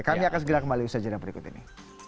kami akan segera kembali ke sejenis berikut ini